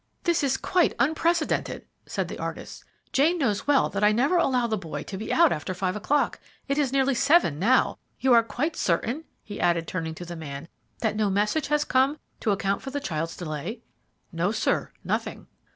"This is quite unprecedented," said the artist. "Jane knows well that I never allow the boy to be out after five o'clock. It is nearly seven now. You are quite certain," he added, turning to the man, "that no message has come to account for tile child's delay?" "No, sir, nothing."